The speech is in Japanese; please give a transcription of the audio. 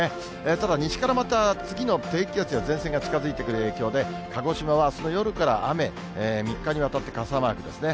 ただ、西からまた次の低気圧や前線が近づいてくる影響で、鹿児島はあすの夜から雨、３日にわたって傘マークですね。